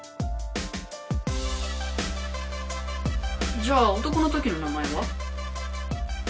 「じゃあ男のときの名前は？」。